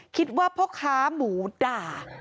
คิดว่าพ่อค้าหมูด่า